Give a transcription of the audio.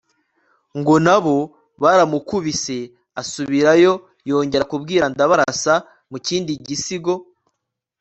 ngo na bo baramukubise asubirayo yongera kubwira ndabarasa mu kindi gisigo